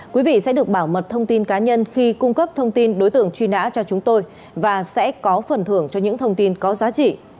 quý vị sẽ được bảo mật thông tin cá nhân khi cung cấp thông tin đối tượng truy nã cho chúng tôi và sẽ có phần thưởng cho những thông tin có giá trị